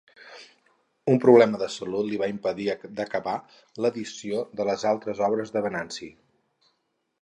Un problema de salut li va impedir d'acabar l'edició de les altres obres de Venanci.